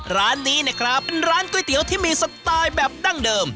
ร้านนี้นะครับเป็นร้านก๋วยเตี๋ยวที่มีสไตล์แบบดั้งเดิม